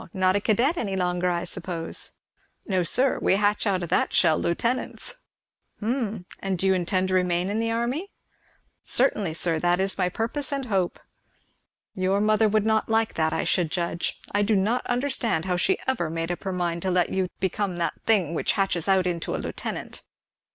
Not a cadet any longer, I suppose." "No sir we hatch out of that shell lieutenants." "Hum. And do you intend to remain in the army?" "Certainly sir, that is my purpose and hope." "Your mother would not like that, I should judge. I do not understand how she ever made up her mind to let you become that thing which hatches out into a lieutenant.